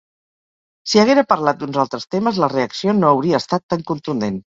Si haguera parlat d’uns altres temes la reacció no hauria estat tan contundent.